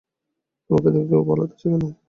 তোমাকে দেখলেই ও পালাতে চায় কেন।